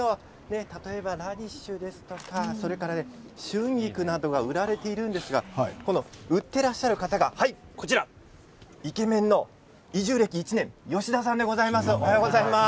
例えば、ラディッシュですとか春菊などが売られているんですが売っていらっしゃる方がイケメンの移住歴１年吉田さんでございます。